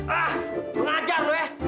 ah pengajar lo ya